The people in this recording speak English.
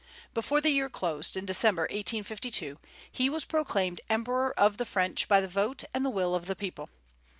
Before the year closed, in December, 1852, he was proclaimed Emperor of the French by the vote and the will of the people.